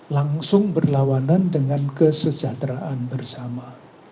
langsung berlawanan dengan kesejahteraan bersama